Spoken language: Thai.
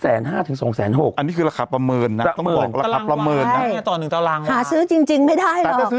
อันนี้คือราคาประเมินนะต้องบอกตรางวาตอนนึงตรางวาหาซื้อจริงไม่ได้หรอก